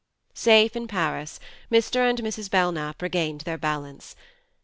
Safe in Paris, Mr. and Mrs. Belknap regained their balance.